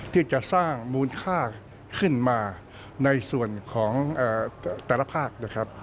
ที่จะสร้างมูลค่าขึ้นมาในส่วนของแต่ละภาคนะครับ